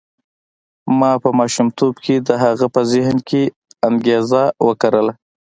ما په ماشومتوب کې د هغه په ذهن کې انګېزه وکرله.